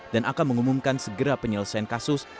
dan akan mengumumkan segera penyelesaian kasus